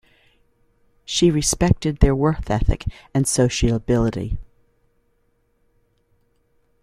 She respected their work ethic and sociability.